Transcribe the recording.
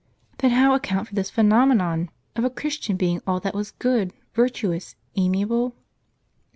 Then how account for this phenomenon, of a Christian being all that was good, virtuous, amiable